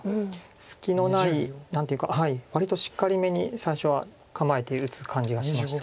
隙のない何というか割としっかりめに最初は構えているという感じがしまして。